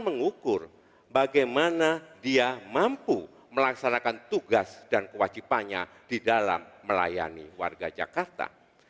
mengukur bagaimana dia mampu melaksanakan tugas dan kewajibannya di dalam melayani warga jakarta